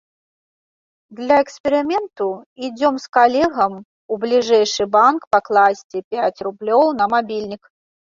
Для эксперыменту ідзём з калегам у бліжэйшы банк пакласці пяць рублёў на мабільнік.